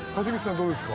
どうですか？